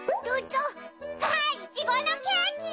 あイチゴのケーキ！